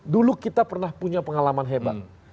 dulu kita pernah punya pengalaman hebat